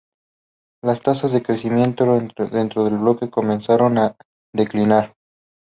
Las tasas de crecimiento dentro del Bloque comenzaron a declinar.